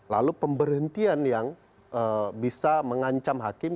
lalu pemberhentian yang bisa mengancam hakim